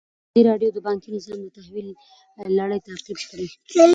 ازادي راډیو د بانکي نظام د تحول لړۍ تعقیب کړې.